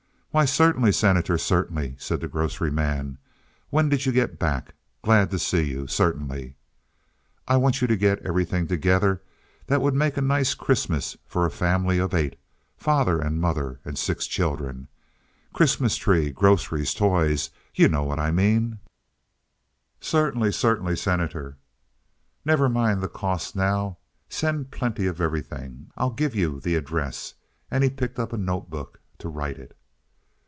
"Why, certainly, Senator, certainly," said the grocery man. "When did you get back? Glad to see you. Certainly." "I want you to get everything together that would make a nice Christmas for a family of eight—father and mother and six children—Christmas tree, groceries, toys—you know what I mean." "Certainly, certainly, Senator." "Never mind the cost now. Send plenty of everything. I'll give you the address," and he picked up a note book to write it.